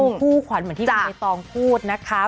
คู่ขวัญเหมือนที่คุณใบตองพูดนะคะ